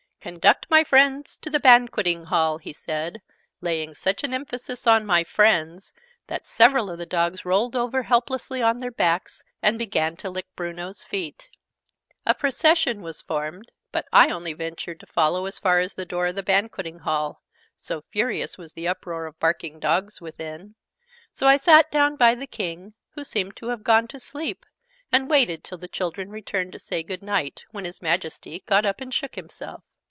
"Conduct my friends to the banqueting hall!" he said, laying such an emphasis on "my friends" that several of the dogs rolled over helplessly on their backs and began to lick Bruno's feet. A procession was formed, but I only ventured to follow as far as the door of the banqueting hall, so furious was the uproar of barking dogs within. So I sat down by the King, who seemed to have gone to sleep, and waited till the children returned to say good night, when His Majesty got up and shook himself.